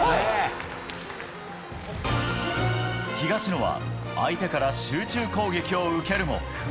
東野は相手から集中攻撃を受けるも。